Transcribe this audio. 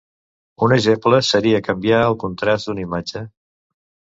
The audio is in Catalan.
Un exemple seria canviar el contrast d'una imatge.